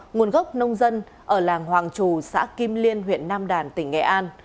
nguồn gốc nông dân ở làng hoàng trù xã kim liên huyện nam đàn tỉnh nghệ an